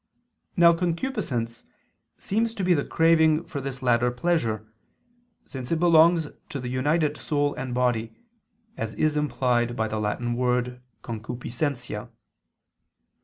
Now concupiscence seems to be the craving for this latter pleasure, since it belongs to the united soul and body, as is implied by the Latin word "concupiscentia."